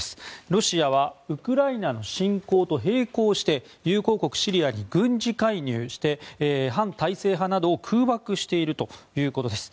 ロシアはウクライナの侵攻と並行して友好国シリアに軍事介入して反体制派などを空爆しているということです。